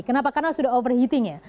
kenapa karena sudah overheating ya